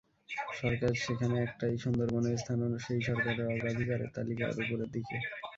সরকার সেখানে একটাই, সুন্দরবনের স্থানও সেই সরকারের অগ্রাধিকারের তালিকার ওপরের দিকে।